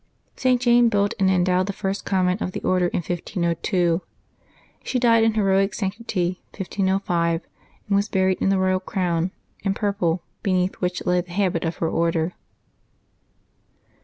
St. Jane built and endowed the first convent of the Order in 1502. She died in heroic sanctity, 1505, and was buried in the royal crown and purple, beneath which lay the habit of her Order.